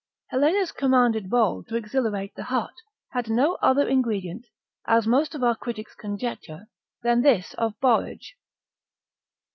Helena's commended bowl to exhilarate the heart, had no other ingredient, as most of our critics conjecture, than this of borage.